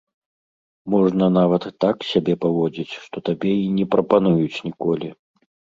Можна нават так сябе паводзіць, што табе і не прапануюць ніколі.